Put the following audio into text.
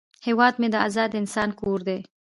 هیواد مې د آزاد انسان کور دی